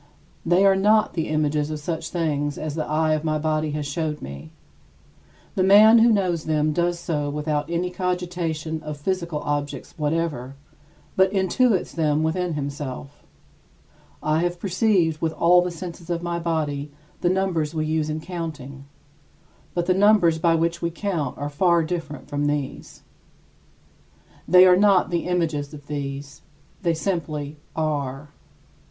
They are not the images of such things as the eye of my body has showed me. The man who knows them does so without any cogitation of physical objects whatever, but intuits them within himself. I have perceived with all the senses of my body the numbers we use in counting; but the numbers by which we count are far different from these. They are not the images of these; they simply are.